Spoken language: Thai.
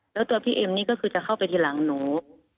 แล้วตัวพี่เอ็มนี่ก็คือจะเข้าไปทีหลังหนู